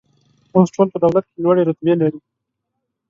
اوس ټول په دولت کې لوړې رتبې لري